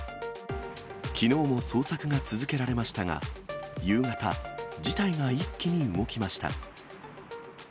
きのうも捜索が続けられましたが、夕方、事態が一気に動きました。